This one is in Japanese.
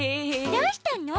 どうしたの？